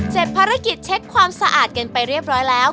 ภารกิจเช็คความสะอาดกันไปเรียบร้อยแล้ว